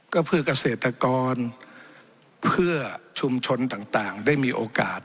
ก็เพื่อกเศรษฐกรเพื่อชุมชนต่างต่างได้มีโอกาส